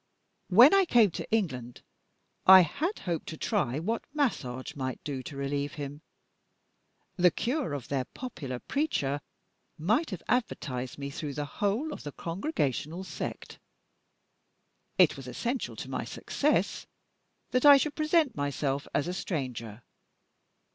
When I came to England, I had hoped to try what massage might do to relieve him. The cure of their popular preacher might have advertised me through the whole of the Congregational sect. It was essential to my success that I should present myself as a stranger.